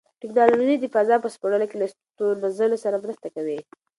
تکنالوژي د فضا په سپړلو کې له ستورمزلو سره مرسته کوي.